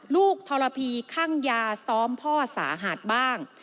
ทรพีคั่งยาซ้อมพ่อสาหัสบ้าง